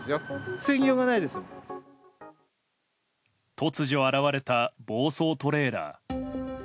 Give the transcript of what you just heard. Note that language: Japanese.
突如現れた暴走トレーラー。